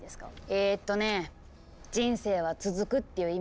えっとね「人生は続く」っていう意味よ。